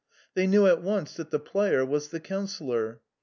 They knew at once that the player was the Councillor.